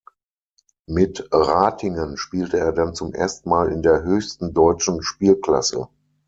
Mit Ratingen spielte er dann zum ersten Mal in der höchsten deutschen Spielklasse.